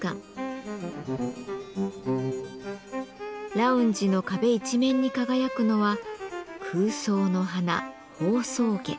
ラウンジの壁一面に輝くのは空想の花宝相華。